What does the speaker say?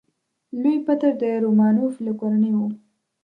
لوی پطر د رومانوف له کورنۍ و.